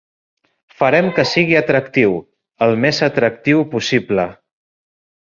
Farem que sigui atractiu, el més atractiu possible.